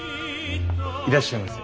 いらっしゃいませ。